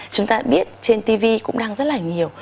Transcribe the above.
chúng ta biết trên tv cũng đang rất là nhiều